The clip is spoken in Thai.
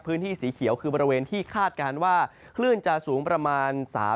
พื้นที่สีเขียวคือบริเวณที่คาดการณ์ว่าคลื่นจะสูงประมาณ